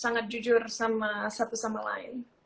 sangat jujur sama satu sama lain